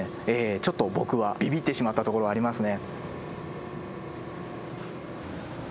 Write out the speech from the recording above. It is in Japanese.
ちょっと僕はビビってしまったところはありますね。